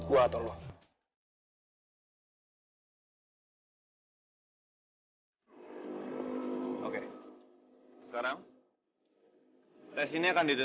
dan akan melewati tiga tes